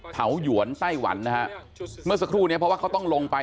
เผาหยวนไต้หวันนะฮะเมื่อสักครู่เนี้ยเพราะว่าเขาต้องลงไป